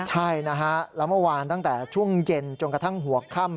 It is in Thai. ใช่นะฮะแล้วเมื่อวานตั้งแต่ช่วงเย็นจนกระทั่งหัวค่ำ